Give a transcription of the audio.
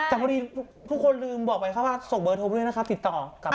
แต่พอดีทุกคนลืมบอกไปครับว่าส่งเบอร์โทรไปด้วยนะคะติดต่อกลับมา